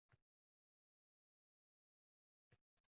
Dunyoga «Xayr!» deyishni unutma